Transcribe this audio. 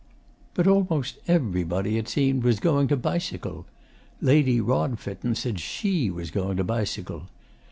But almost everybody, it seemed, was going to bicycle. Lady Rodfitten said SHE was going to bicycle.